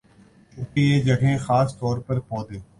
چونکہ یہ جگہیں خاص طور پر پودے